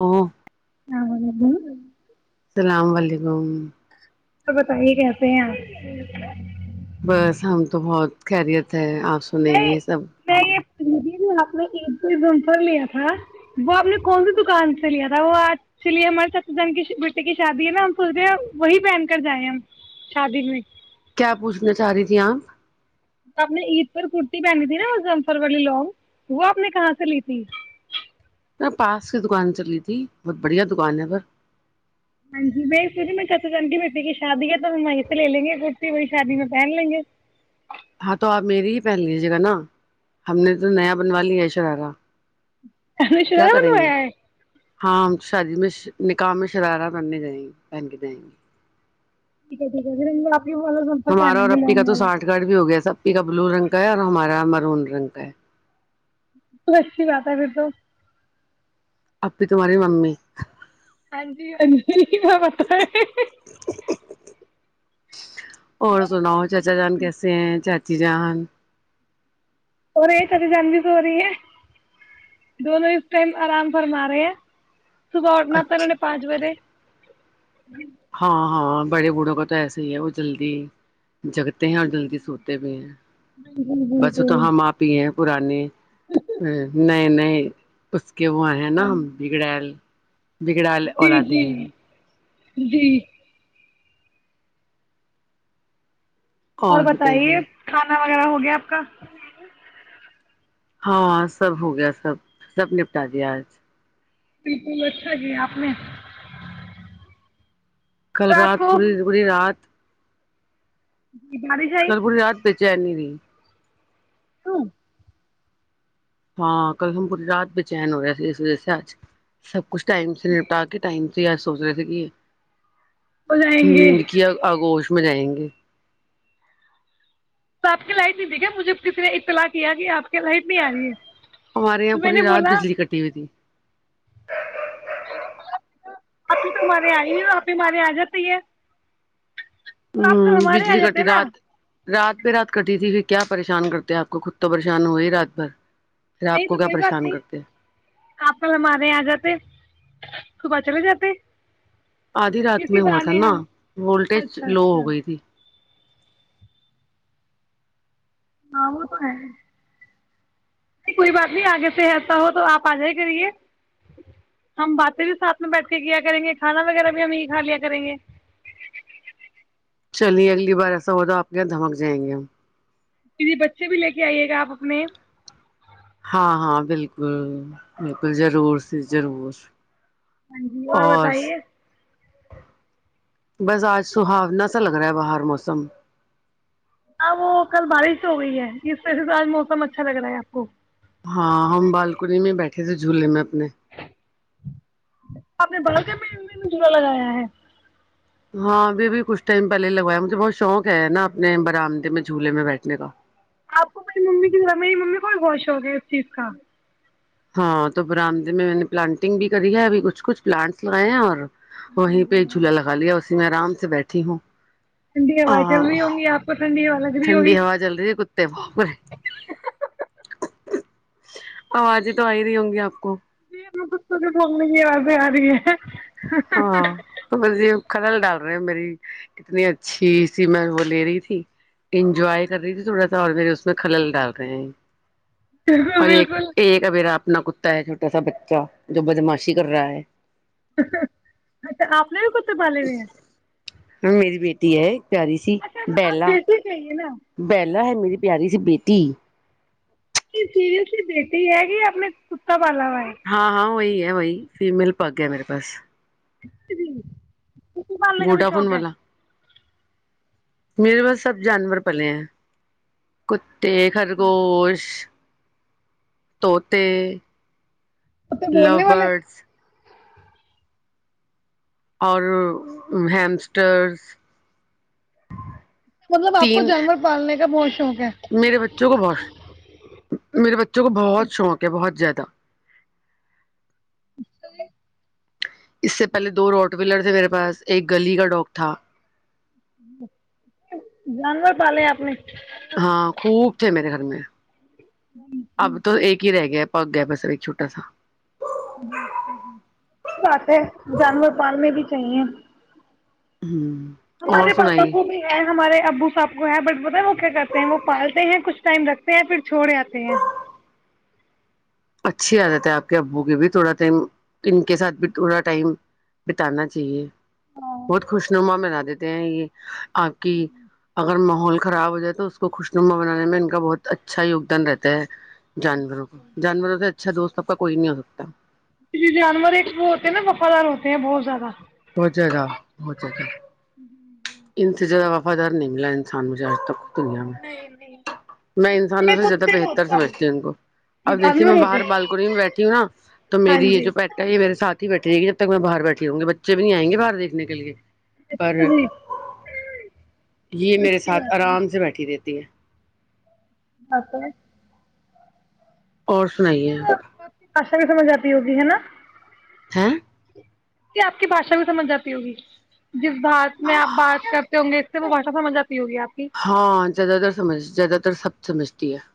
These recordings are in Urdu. او آ السلام علیکم تو بتائیے کیسے ہیں آپ بس ہم تو بہت خریت سے آپ سنیں یہ سب دے آپ نے ایک لیا تھا وہ آپ نے کون سی دکان سے لیا تھا وہ آج سے لیے ہمارے س جن کے بیٹے کی شادی ہے نا ہم سوچتے ہیں وہی پہن کر جائے ہم شادی میں کیا پوچھنا چاہ رہی تھی آپ آپ نے عید پر کرتی پہنی تھی نا مظمفر والی لانگ وہ آپ نے کہاں سے لی تھی م پاس کی دکان چل رہی تھی بہت بڑھیا دکان ہے پرھر ہاں جی میں س میں کنی بیٹٹی کی شادی ہے تو ہم وہیں سے لے لیں گے کرتی وہی شادی میں پہن لیں گے ہاں تو آپ میری ہی پہن لیجیے گا نا ہم نے تو نیا بنوا لیا ہے شرارہ ش کیا کریں بنویا گے ہے ہاں ہم شادی میں نکاح میں شرارہ پہننے جائیں گے پہن کے جائیں گے ٹھیک ہے ٹھیک ہےھر ہمارا اور اپی کا تو ساٹھ گڑھ بھی ہو گیا سب کا بلو رنگ کا ہے اور ہمارا میرون رنگ کا ہے تو اچھی بات ہے پھر تو اپی تہاری ممی ہاں جی ہ اور سناؤ چاچا جان کیا۔ کیسے ہیں چاچ ی جان اور رہے تری جان بھی تو سو رہی ہے دونوں اس ٹائم آرام فرما رہے ہیں صبح اٹھنا تھا انہوں اچھا نے پانچ بجے جی [unintelligible] ہاں ہاں بڑے بوڑھوں کا تو ایسے ہی ہے وہ جلدی جگتے ہیں اور جلدی سوتے بھی ہیں بس تو ہم آپ ہی ہیں پرانیے نئے نئے کہ وہ ہے نا ہم بگڑائل بگڑیل جی اولادیے جی جی اور بتائیے کھا نا وغیرہ ہو گیا آپ کا ہاں سب ہو گیا سب سب نپٹا دیا آج بالکل اچھا کیا آپ نے کل تو آپ رات کو پوری پوری رات بارش آئی کربووریاات پچ [unintelligible] جنوری [unintelligible] ہ [unintelligible] ہاں کل ہم پوری رات بے چین ہو رہے اس وجہ سے آج سب کچھ ٹائم سے نپٹا کے ٹائم سے س سوچ رہے تھے کہ یہ ہو جائیں گے نیند کی آگوش میں جائیں گے تو آپ کی لائٹ نہیں د گیا مجھے کسی نے اطلاع کیا کہ آپ کی لائٹ نہیں آ رہی ہے ہمارے تو یہاں میں نے پوری رات بولا بجلی کٹی ہوئی تھی ہ [unintelligible] آپ ہی تو ہمارے آ ہی نہیں ہو آپ ہی ہمارے آ جاتے ہے تو آپ کل ہوں ہمارے یہاں آ بجلی کٹی جاتے نا رات رات پہ رات کرتی تھی پھر کیا پریشان کرتے آپ کو خود تو پریشان ہوئے ہی رات بھر پھر آپ نہیں کو تو کیا کوئی بات پریشان نہیں کرتے آپ کل ہمارے یہ آ جاتے صبح چلے جاتے آدھی رات میں اسی ہوا تھا بہانے نا ہم وولٹیج اچھا لو ہو اچھا گئی تھی ہ وہ تو ہے نہیں کوئی بات نہیں آگے سے ایسا ہو تو آپ آ جائی کریے ہم باتیں بھی ساتھ میں بیٹھ کے کیا کریں گے کھانا وغیرہ بھی ہم یہ کھا لیا کریں گے چلیے اگلی بار ایسا ہوا آپ کے یہاں دھمک جائیں گے ہم مے بچے بھی لے کے آئیے گا آپ اپنے ہاں ہاں بالکل بالکل جضرور س جضرور ہاں جی اور بتائیے بس آج سہاو نہ اچھا لگ رہا ہے باہر موسم ہاں وہ کل بارش ہو گئی ہے اس و تو آج موسم اچھا لگ رہا ہے آپ کو ہاں ہم بالکی میں بیٹھے تھے جھولے میں اپنے آپ نے بڑک میں نے جلا لگایا ہے ہاں ابھی بھی کچھ ٹائم پہلے ہی لگوایا مجھے بہت شوق ہے نا اپنے برامدے میں جھولے میں بیٹھنے کا آپ کو میری ممی کی طرح میری ممی کون بہت شوق ہے اس چیز کا ہاں تو برامد میں نے پلانٹنگ بھی کری ہے ابھی کچھ کچھ پلانٹس لگائے ہیں اور وہیں جی پہج جھولا لگا لیا اس میں آرام سے بیٹھی ہوں ٹھڈی ہوا چل رہی ہوں گی آپ کو ٹھنڈی ہوا رہی ٹنڈی ہوگی ہوا چل رہی ہے کتے وہ بے آوازیں تو آئی رہی ہوں گی آپ کو د کھ تو بھی بھگنے کی آازیں آ رہی ہیں ہاں تو می کدل ڈال رہے ہو میری اتنی اچھی سی میں وہ لے رہی تھی انجوائے کر رہی تھی تھوڑا سا اور مے کھلل ڈال رہے ہیں اور ایک بالکل ایک ابھی آپ اپنا کتا ہے چھوٹا سا بچہ جو بدماشی کر رہا ہے اچھا آپ نے بھی کتے پالے بھی ہیں ہاں میری بیٹی ہے اچھا آپ بیھ ہی چاہیے نا بہلا ہے میری پیاری س بیٹی ج ج کی بیٹی ہےگ اپنے پتا ہاں ہاں وہی ہے وہی فیمل پگ گیا میرے پاس کت بھی کٹی پالنے کا بھی ووڈا فون شوق ہے والا میرے بس سب جانور پلے ہیں کتے خرگوش طوط کتے بولنے والے لورڈس اور ہیمسٹرس مطلب آپ کو تین جانور پالنے کا بہت شوق ہے میرے بچوں کو بہت میرے بچے [unintelligible] جو بہت شوق ہے بہت زیادہ [unintelligible] [inaudible] چلیے [unintelligible] اس سے پہلے دو روٹ ویلر تھے میرے پاس ایک گلی کا ڈاگ تھا جانور پالے آپ نے [unintelligible] ہاں خوب تھے میرے گھر میں [unintelligible] اب تو ایک ہی رہ گیا پگ گیا بس ایک چھوٹا سا [unintelligible] بات ہے جانور پال میں بھی چاہیے [unintelligible] ہ [unintelligible] ہمارے پاپا کو بھی ہے ہمارے ابو صاب کو ہے بٹ [unintelligible] مت وہ کیا کرتے ہیں وہ پالتے ہیں کچھ ٹائم رکھتے ہیں پھر چھوڑ جاتتے ہیں [unintelligible] اچھی عادت ہے آپ کے ابو کی بھی تھوڑا ٹائم ان کے ساتھ بھی تھوڑا ٹائم بتانا چاہیے بہت خوش نما میں رد تے ہیں یہ آاک اگر م ماحول خراب ہو جائے تو اس کو خوشنما بنانے میں ان کا بہت اچھا یگدان رہتا ہے جانوروں کو جانوروں سے اچھا دوست آپ کا کوئی نہیں ہو سکتا جی [unintelligible] جانور ایک وہ ہوتے ہیں نا وفادار ہوتے ہیں [unintelligible] ہو جائے گا ہو جائے گا [unintelligible] انتجار وفادار نگلا انسان مجھاجتاک دنیا میں میں انسانوں سے زیادہ بہتر سمجھتی ہوں ان کو اب دیکھیے میں جانور باہر ہوتے بالکونی میں بیٹھی ہوں نا تو میری یہ جو پیٹا ہے یہ میرے ساتھ ہی بیٹھی رہے گی [unintelligible] میں باہر بیٹھ [unintelligible] ہوں گے بچے بھی نہیں آئیں گےاہر دیکھنے کےے پر اچھا جی یہ میرے ساتھ آرام سے بیٹھی رہتی [unintelligible] تی ہیں [unintelligible] آپ [unintelligible] اور سنائیے آشا بھی سمجھ آتی ہوگی ہے نا [unintelligible] ہاں [unintelligible] اس آپ کی بھشا بھی سمجھ آتی ہوگی جس بات میں آپ بات کرتے ہوں گے اس سے وہ بھاشا سمجھ آتی ہوگی آپ کی ہاں زیادہ تر سمجھ زیادہ تر سب سمجھتی ہے [unintelligible]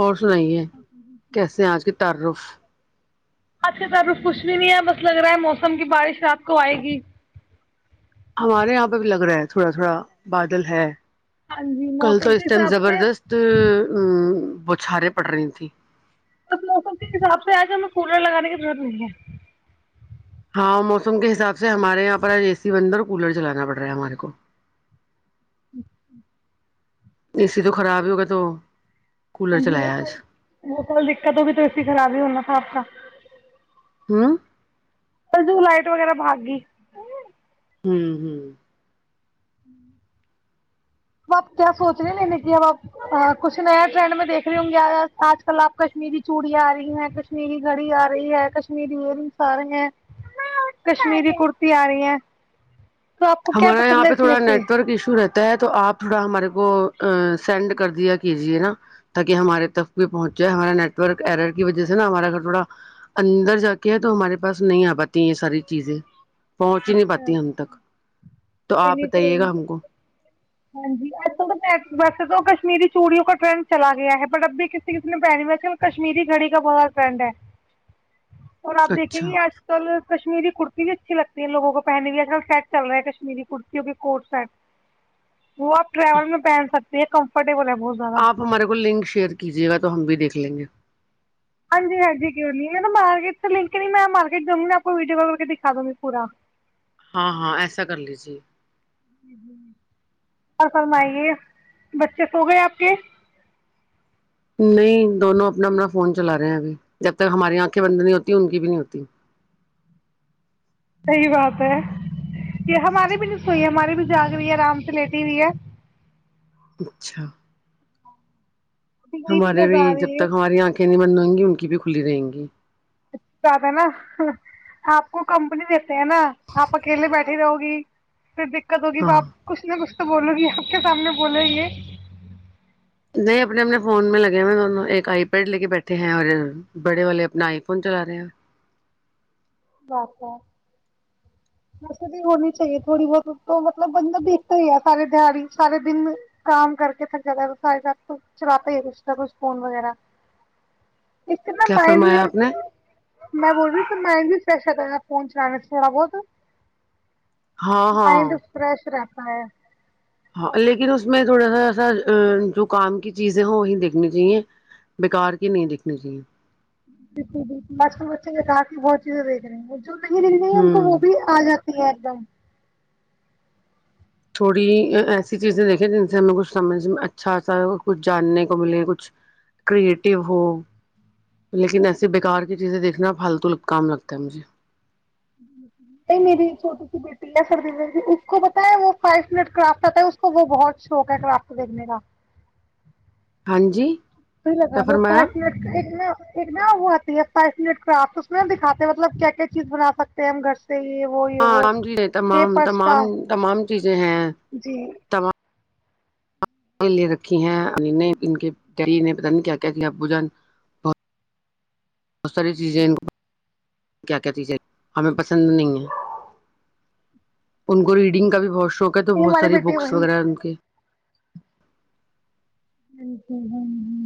اور [unintelligible] سنائیے کیسے ہیں آج کی تعارف [unintelligible] اچھا تو ابھی کچھ بھی نہیں ہے بس لگ رہا ہے موسم کی بارش رات کو آئے گی ہمارے یہاں پہ بھی لگ رہا ہے تھوڑا تھوڑا بادل ہے ہاں جی کل تو موسم اس کے ٹائم حساب سے زبردست ا بوچھاریں پڑ رہی تھیں بس موسم کے حساب سے آج ہمیں کولر لگانے کی ضرورت نہیں ہے ہاں موسم کے حساب سے ہمارے یہاں پر آ اے سی بن ہے اور کولر چلانا پڑ رہا ہے ہمارے کو اچ [unintelligible] اے سی تو خراب ہی ہوگا تو ہ کولر جی وہ چلایا آج سل وہ کل دقت ہوگی تو اسسی خراب ہی ہونا تھا آپ کا [unintelligible] ہوں [unintelligible] ج لائٹ وغیرہ بھاگ گئی [unintelligible] ہوں ہوں [unintelligible] ا آپ کیا سوچ رہے ہیں نہیں کہ اب آپ کچھ نیا ٹرینڈ میں دیکھ رہی ہوں گی آج کل آپ کشمیری چوڑیاں آ رہی ہیں کشمیری گھڑی آ رہی ہے کشمیری ایئر رنگس آ رہی ہیں کشمیری کرتی آ رہی ہیں [unintelligible] تو آپ کو کیا ہمارا پسند یہاں ہے پہ [unintelligible] تھوڑا نٹ ورک ایشو رہتا ہے توپ تھوڑا ہمارے کو کو سینڈ کر دیا کیجے نا تاکہ ہمارے تک بھی پہنچ جائے ہمارا نیٹورک ارر کی وجہ سے نا ہمارا گھر تھوڑا اندر جا کے ہے تو ہمارے پاس نہیں آ پاتی یہ ساری چیزیں پہنچ ہی نہیں اچھا پاتی ہم تک تو آپ بتائیے گا ہم کو ہاں جی اج کل تو ویسے تو کشمیری چوڑیوں کا ٹرنڈ چلا گیا ہے بٹ اب بھی کسی کسی نے پہے کشمیری گھڑی کا بہت س ٹرینڈ ہے [unintelligible] اور آپ دیکیں اچھا گی آج کل کشمیری کرتے [unintelligible] اس بھی اچھی لگتی ہے لوگوں کو پہننے کیج کل سیٹ چل رہا ہے کشمیری کرتیوں کے کوٹ سیٹ وہ آپ ٹریول میں پہن سکتے کمفر [unintelligible] آپ ہمارے کو لنک شیئر کیجیے گا تو ہم بھی دیکھ لیں گے ہاں ج ہاں ج کی نہیں م نے مارکیٹ تو لک نہیں میں مارکیٹ جاوںںیا آپ کو ویڈیو کے دکھا دوں گی پورا ہاں ہاں ایسا کر لیجیے اور فرمائیے بچے سو گئے آپ کے [unintelligible] نہیں دونوں اپنا اپنا فون چلا رہے ہیں ابھی جب تک ہماری آنکھیں بندنی ہوتی ان کی بھی نہیں ہوتی صحی بات ہے یہ ہماری بھی نہیں سوئی ہے ہماری بھی جاگ رہی ہے آرام سے لیٹی ہوئی ہے اچھا [unintelligible] ہمارے بھی جب تک ہماری آنکھیں نہیں بنوائیں گی ان کی بھی کھلی رہیں گی [unintelligible] زیادہ نا آپ کو کمپنی دیتے ہیں نا آپ اکیلے بیٹھی رہو گی [unintelligible] پھر دقت ہوگی ہاں باپ کچھ نہ کچھ [unintelligible] تو بولو گی آپ کے سامنے بولیں گے [unintelligible] نہیں اپنے اپنے فون میں لگے ہوئے دونوں ایک آئی پیڈ لے کے بیٹھے ہیں اور بڑے والے اپنا آئی فون چلا رہے ہو آپا [unintelligible] ویسے بھی ہونی چاہیے تھوڑی بہت تو مطلب بند دیکھتا ہی ہے سارے دہاڑی سارے دن کام کر کے تھک جاتا ہے تو سارے ساتھ تو چلاتا ہی رش کچھ فون وغیرہ [unintelligible] ایک نا کیا مائنڈ فرمایا آپ نے بھی میں بول رہی س مائنڈ بھی فرش فون چلانا تھوڑاہت ہاں ہاں مائنڈ فریش رہتا [unintelligible] ہاں لیکن اس میں تھوڑا سا ایسا جو کام کی چیزیں ہو وہی دیکھنی چاہیے بیکار کے نہیں دیکھنی چاہیے بالکل بالکل آج کل بچے کے کہا بہت چیزیں دیک رہے ہیں جو نہیں لنی ان کو وہ ہوں بھی آ جاتا [unintelligible] چھوٹا بھی ایسی چیزیں دیکھیں جے ہم کچھ سمجھ میں اچھا سا کچھ جاننے کو ملے کچھ کریٹو ہو لیکن ایسی بکار کی چیزیں دیکھنا پالتول کام لگتا ہے مجھے نہیں میری چھوٹی سی بیٹی ہے سرد اس کو بتا وہ فائی منٹ کرافٹ آتا ہے اس کو وہ بہت شوق ہے کرافٹ دیکھنے کا ہاں جی کیا لگا دو فرمایا پانچ منٹ ایک نہ وہ آتی ہے پانچ منٹ [unintelligible] تو آپ تو اس میں دکھاتے ہیں مطلب کیا چیز بنا سک ہیں ہم گھر سے یہ وہ یہ وہ ہاںام چیزیں تمام پیپرس تمام کا تمام چیزیں ہیں یہ تمام لے رکھی ہیں [unintelligible] ان کے ڈری نے بتن کیا کیا [unintelligible] کیا کیا ب جن بہت بہت ساری چیزیں کیا کیا چیزیں ہمیں پسند نہیں ہے ان کو ریڈنگ کا بھی بہت شو شوق ہے تو بہت ہماری ساری بیٹی بکس وہی وغیرہ ان کے [unintelligible] بالکل ہوں ہ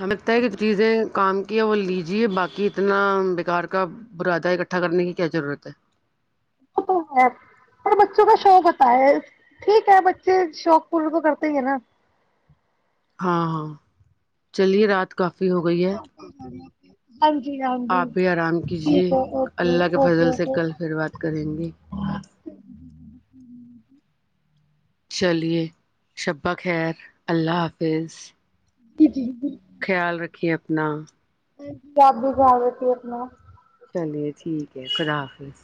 ہمیں لگتا ہے کہ چیزیں کام وہ لیجیے باقی اتنا بکار کا برادہ اکٹھا کرنے کی کیا ضرورت ہے وہ تو ہے پر بچوں کا شوق ہوتا ہے ٹھیک ہے بچے شوق پورا تو کرتے ہی ہیں نا ہاں ہاں چلیے رات کو [unintelligible] ہاں جی ہاں جی آپ بھی آرام کیجے اوکے اللہ کے اوکے فضل سے اوکے کل پھر بات کریں گے چلیے شبہ خیر اللہ حافظ جی کہ اپنا جی آپ بھی جان رہتی اپنا چلیے ٹھیک ہے خدا حافظ